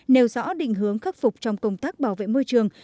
nêu rõ định hướng khắc phục trong công tác bảo vệ môi trường